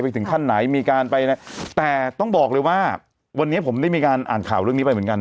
ถึงขั้นไหนมีการไปแต่ต้องบอกเลยว่าวันนี้ผมได้มีการอ่านข่าวเรื่องนี้ไปเหมือนกัน